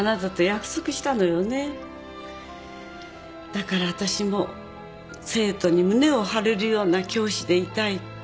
だから私も生徒に胸を張れるような教師でいたいって。